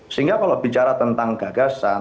sehingga kalau bicara tentang gagasan